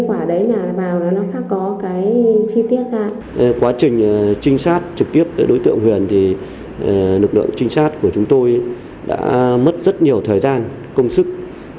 quá trình trực tiếp trực tiếp đối tượng huyền lực lượng trinh sát của chúng tôi đã mất rất nhiều thời gian công sức